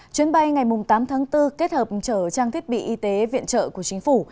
chuyến bay ngày tám tháng bốn kết hợp chở trang thiết bị y tế viện trợ của chính phủ